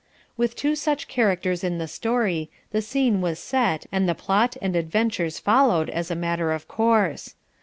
With two such characters in the story, the scene was set and the plot and adventures followed as a matter of course.